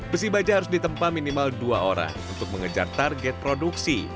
besi baja harus ditempa minimal dua orang untuk mengejar target produksi